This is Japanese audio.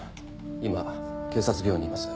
今警察病院にいます。